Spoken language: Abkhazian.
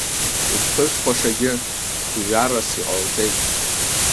Иԥҳәыс хәашагьы гәҩарас иҟалҵеит.